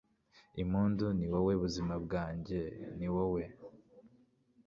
impundu, ni wowe buzima bwanjye, ni wowe